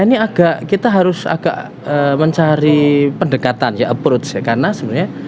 ini agak kita harus agak mencari pendekatan ya approach ya karena sebenarnya